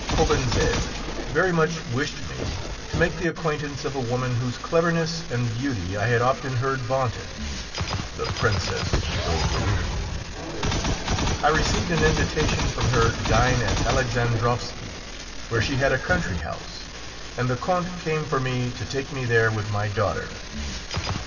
] Count Cobentzel very much wished me to make the acquaintance of a woman whose cleverness and beauty I had often heard vaunted the Princess Dolgoruki. I received an invitation from her to dine at Alexandrovski, where she had a country house, and the Count came for me to take me there with my daughter.